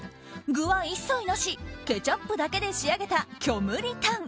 具は一切なしケチャップだけで仕上げた虚無リタン。